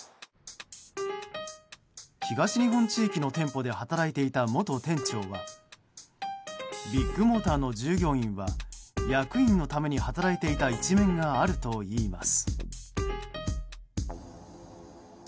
東日本地域の店舗で働いていた元店長はビッグモーターの従業員は役員のために働いていた一面があるといいます。